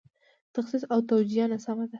تخصیص او توجیه ناسمه ده.